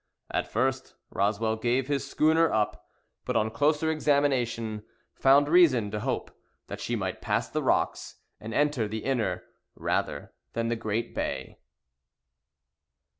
At first, Roswell gave his schooner up; but on closer examination found reason to hope that she might pass the rocks, and enter the inner, rather than the Great Bay.